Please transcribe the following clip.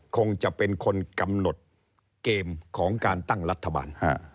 คงจะเป็นคนกำหนดเกมของการตั้งรัฐบาล